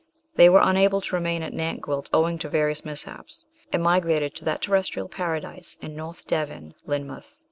They were unable to remain at Nantgwilt owing to various mishaps, and migrated to that terrestrial para dise in North Devon, Lynmouth.